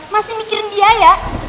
masih mikirin biaya